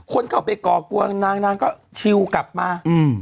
คนเขาก็ไปกอกวงนางก็ชิลล์กลับมา